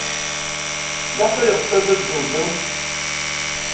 Maɣef ay ɣsent ad tt-ssenzent?